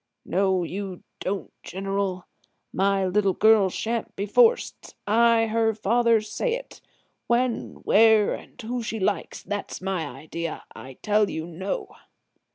"No you don't, General; my little girl shan't be forced. I, her father, say it. When, where and who she likes; that's my idea. I tell you, no!"